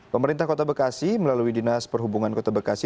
pemerintah kota bekasi melalui dinas perhubungan kota bekasi